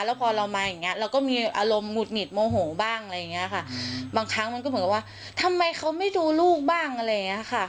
แล้วพอเรามาอย่างเงี้เราก็มีอารมณ์หงุดหงิดโมโหบ้างอะไรอย่างเงี้ยค่ะบางครั้งมันก็เหมือนกับว่าทำไมเขาไม่ดูลูกบ้างอะไรอย่างเงี้ยค่ะ